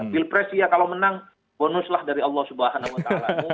pilpres ya kalau menang bonuslah dari allah swt